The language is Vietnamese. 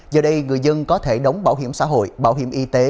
giờ đây người dân có thể đóng báo hiểm xã hội báo hiểm y tế